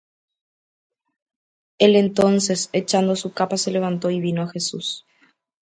El entonces, echando su capa, se levantó, y vino á Jesús.